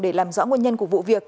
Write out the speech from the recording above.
để làm rõ nguyên nhân của vụ việc